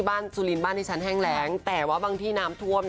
บางที่สุลินบ้านที่ฉันแห้งแหลงแต่บางที่น้ำท่วม